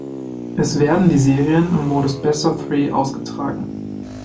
Es werden die Serien im Modus Best-of-Three ausgetragen.